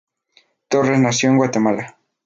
Torres nació en Guatemala.